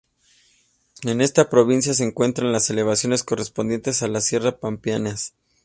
En esta provincia se encuentran las elevaciones correspondientes a las Sierras Pampeanas.